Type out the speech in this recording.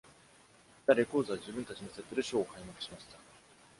ザ・レコーズは自分たちのセットでショーを開幕しました。